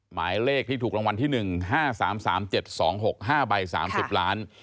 หมายเลขที่ถูกรางวัลที่๑๕๓๓๗๒๖๕ใบ๓๐ล้าน